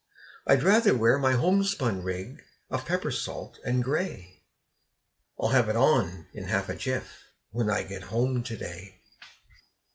I'd rather wear my homespun rig of pepper salt and gray I'll have it on in half a jiff, when I get home to day.